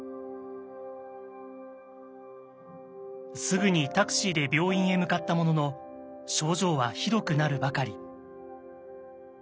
すぐにタクシーで病院へ向かったものの症状はひどくなるばかり。